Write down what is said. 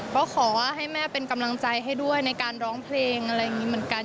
ก็ขอว่าให้แม่เป็นกำลังใจให้ด้วยในการร้องเพลงอะไรอย่างนี้เหมือนกัน